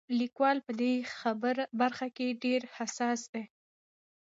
لیکوال په دې برخه کې ډېر حساس دی.